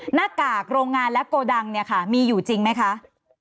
หน้ากากโรงงานและโกดังเนี่ยค่ะมีอยู่จริงไหมคะ